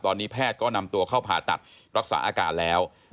ตอนนี้แพทย์ก็นำตัวเข้าผ่าตัดรักษาอาการแล้ว